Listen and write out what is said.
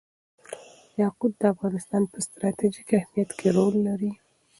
یاقوت د افغانستان په ستراتیژیک اهمیت کې رول لري.